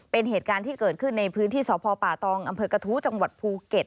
เป็นเหตุการณ์ที่เกิดขึ้นในพื้นที่สปตอกภูเก็ต